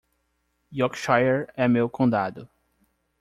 Yorkshire é meu condado.